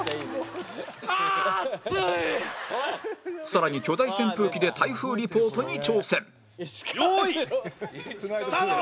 さらに巨大扇風機で台風リポートに挑戦用意スタート！